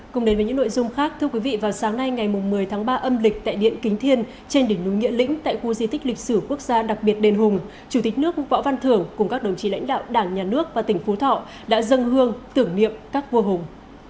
cùng đến với những nội dung khác thưa quý vị vào sáng nay ngày một mươi tháng ba âm lịch tại điện kính thiên trên đỉnh núi nghĩa lĩnh tại khu di tích lịch sử quốc gia đặc biệt đền hùng chủ tịch nước võ văn thưởng cùng các đồng chí lãnh đạo đảng nhà nước và tỉnh phú thọ đã dâng hương tưởng niệm các vua hùng